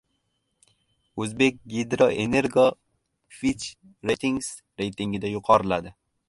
“O‘zbekgidroenergo” “Fitch Ratings” reytingida yuqoriladi